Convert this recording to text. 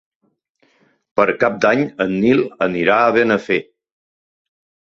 Per Cap d'Any en Nil anirà a Benafer.